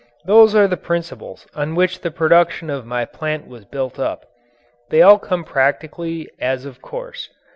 Those are the principles on which the production of my plant was built up. They all come practically as of course.